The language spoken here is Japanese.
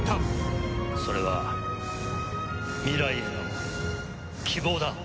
それは未来への希望だ！